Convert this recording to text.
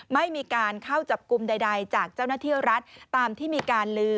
ไม่มีการเข้าจับกลุ่มใดจากเจ้าหน้าที่รัฐตามที่มีการลือ